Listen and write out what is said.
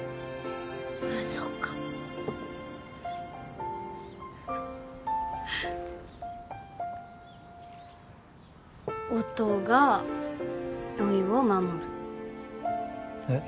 むぞか音がおいを守るえっ？